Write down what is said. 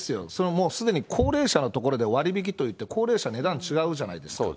もうすでに高齢者のところで割引と言って、高齢者値段違うじゃないですか。